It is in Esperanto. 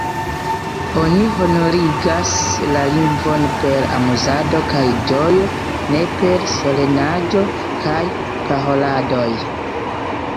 Oni honorigas la lingvon per amuzado kaj ĝojo, ne per solenaĵo kaj paroladoj.